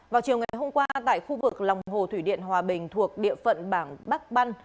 vào chiều ngày hôm qua tại khu vực lòng hồ thủy điện hòa bình thuộc địa phận bản bắc băn